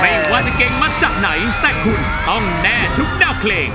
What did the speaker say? ไม่ว่าจะเก่งมาจากไหนแต่คุณต้องแน่ทุกแนวเพลง